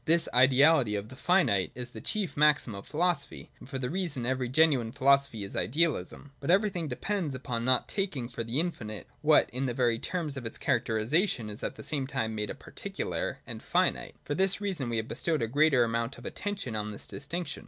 This ideality of the finite is the chief maxim of philosophy ; and for that reason every genuine philo sophy is idealism. But everything depends upon not taking for the inllnite what, in the very terms of its characterisation, is at the same time made a particular 95,96.] REALITY AND IDEALITY. 179 and finite. — For this reason we have bestowed a greater amount of attention on this distinction.